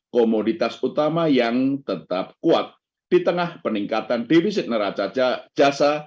komoditas utama yang tetap kuat di tengah peningkatan defisit neraca jasa